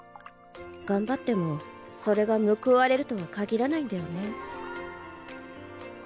頑張ってもそれが報われるとは限らないんだよね。